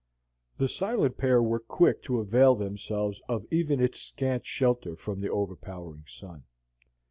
The silent pair were quick to avail themselves of even its scant shelter from the overpowering sun.